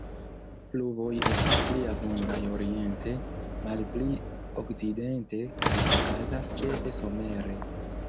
Pluvoj estas pli abundaj oriente, malpli okcidente, kaj okazas ĉefe somere.